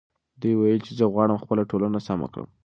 دې وویل چې زه غواړم خپله ټولنه سمه کړم.